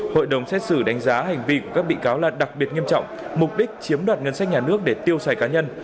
hội đồng xét xử đánh giá hành vi của các bị cáo là đặc biệt nghiêm trọng mục đích chiếm đoạt ngân sách nhà nước để tiêu xài cá nhân